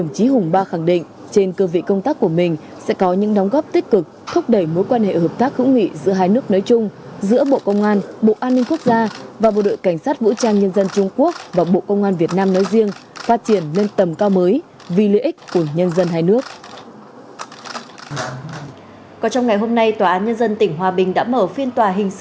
chân thành cảm ơn thứ trưởng nguyễn duy ngọc đã dành thời gian tiếp đại sứ hùng ba khẳng định quan hệ hợp tác giữa bộ công an bộ an ninh quốc gia và bộ đội cảnh sát vũ trang nhân dân trung quốc thời gian qua ngày càng được thúc đẩy từng bước đi vào thực chất hiệu quả đáp ứng nhu cầu và mong muốn hợp tác giữa hai bên